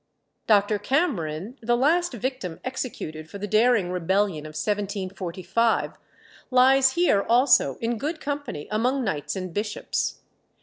Dr. Cameron, the last victim executed for the daring rebellion of 1745, lies here also in good company among knights and bishops.